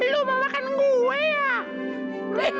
lo mau makan gue ya